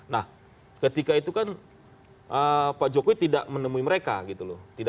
nah ketika itu kan pak jokowi tidak menemui mereka gitu loh